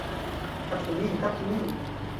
Kaptu min, kaptu min!